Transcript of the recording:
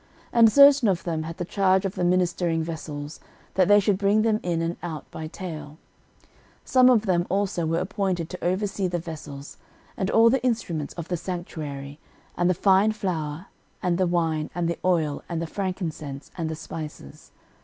13:009:028 And certain of them had the charge of the ministering vessels, that they should bring them in and out by tale. 13:009:029 Some of them also were appointed to oversee the vessels, and all the instruments of the sanctuary, and the fine flour, and the wine, and the oil, and the frankincense, and the spices.